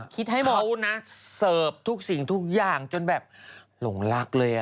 เขาเสิร์ฟทุกสิ่งทุกอย่างจนแบบหลงลักเลย